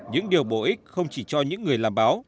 những điều bổ ích không chỉ cho những người làm báo